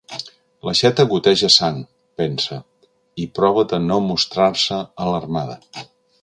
L'aixeta goteja sang, pensa, i prova de no mostrar-se alarmada.